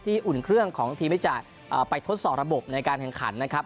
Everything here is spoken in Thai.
อุ่นเครื่องของทีมที่จะไปทดสอบระบบในการแข่งขันนะครับ